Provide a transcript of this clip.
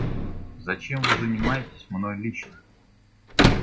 Зачем Вы занимаетесь мной лично?